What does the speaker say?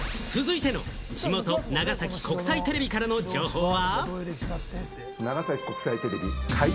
続いての地元・長崎国際テレビからの情報は。